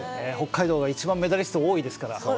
北海道が一番メダリスト多いですから。